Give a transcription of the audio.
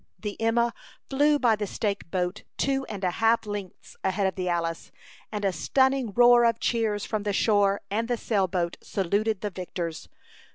The Emma flew by the stake boat two and a half lengths ahead of the Alice, and a stunning roar of cheers from the shore and the sail boat saluted the victors.